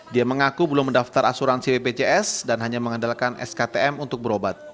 dia mengaku belum mendaftar asuransi bpjs dan hanya mengandalkan sktm untuk berobat